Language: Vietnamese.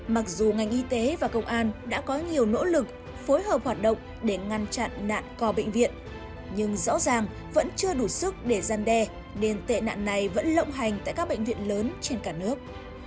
mặc dù ngành y tế và công an đã có nhiều nỗ lực phối hợp hoạt động để ngăn chặn nạn co bệnh viện nhưng rõ ràng vẫn chưa đủ sức để gian đe nên tệ nạn này vẫn lộng hành tại các bệnh viện lớn trên cả nước